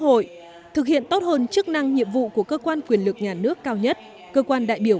hội thực hiện tốt hơn chức năng nhiệm vụ của cơ quan quyền lực nhà nước cao nhất cơ quan đại biểu